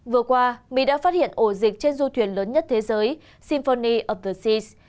vừa qua mỹ đã phát hiện ổ dịch trên du thuyền lớn nhất thế giới simfony of the seas